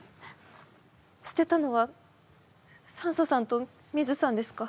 捨てたのはサンソさんとミズさんですか？